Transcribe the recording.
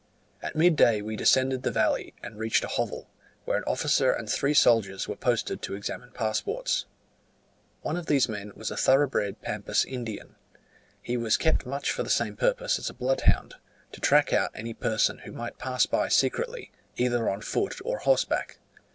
At midday we descended the valley, and reached a hovel, where an officer and three soldiers were posted to examine passports. One of these men was a thoroughbred Pampas Indian: he was kept much for the same purpose as a bloodhound, to track out any person who might pass by secretly, either on foot or horseback.